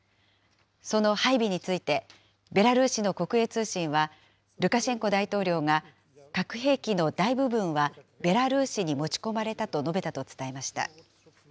その配備について、ベラルーシの国営通信は、ルカシェンコ大統領が核兵器の大部分はベラルーシに持ち込まれたと述べたと伝えました。